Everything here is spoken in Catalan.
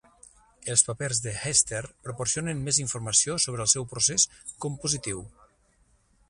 Els papers de Hester proporcionen més informació sobre el seu procés compositiu.